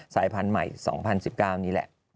สายพันธุ์ใหม่๒๐๑๙นี่แหละ